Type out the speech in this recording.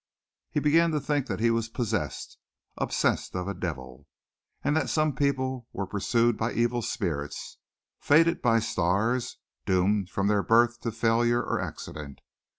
He began to think that he was possessed obsessed of a devil and that some people were pursued by evil spirits, fated by stars, doomed from their birth to failure or accident.